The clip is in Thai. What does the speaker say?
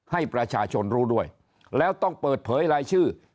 ให้ประชาชนรู้ด้วยแล้วต้องเปิดเผยรายชื่อ